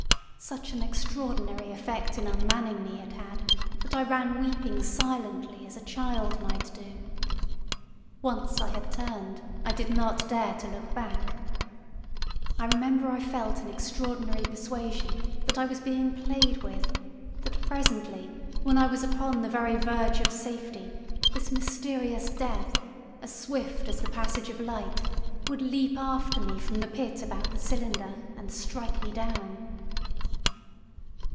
Such an extraordinary effect in unmanning me it had that I ran weeping silently as a child might do. Once I had turned, I did not dare to look back. I remember I felt an extraordinary persuasion that I was being played with, that presently, when I was upon the very verge of safety, this mysterious death—as swift as the passage of light—would leap after me from the pit about the cylinder, and strike me down.